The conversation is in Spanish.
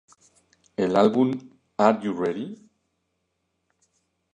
El álbum "Are You Ready?